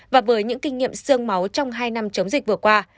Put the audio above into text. và với những kinh nghiệm sương máu trong hai năm chống dịch vừa qua